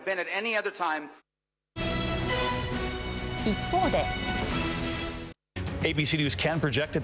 一方で。